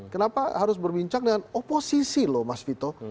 kenapa harus berbincang dengan oposisi loh mas vito